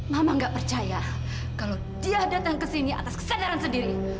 mama gak percaya kalau dia datang ke sini atas kesadaran sendiri